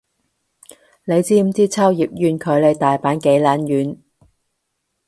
你知唔知秋葉原距離大阪幾撚遠